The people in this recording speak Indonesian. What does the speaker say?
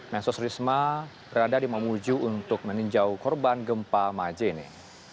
mensos risma berada di mamuju untuk meninjau korban gempa majene